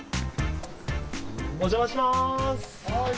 お邪魔します。